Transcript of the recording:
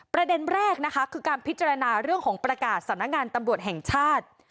ประเด็นแรกนะคะคือการพิจารณาเรื่องของประกาศสำนักงานตำรวจแห่งชาติ